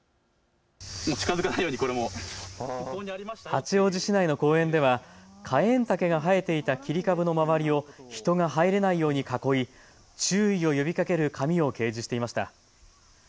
八王子市内の公園ではカエンタケが生えていた切り株の周りを人が入れないように囲い、注意を呼びかける紙を掲示していました。